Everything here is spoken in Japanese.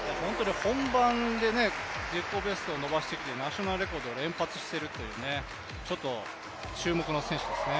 本番で自己ベストを伸ばしてきてナショナルレコードを連発しているという、注目の選手ですね。